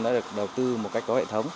đã được đầu tư một cách có hệ thống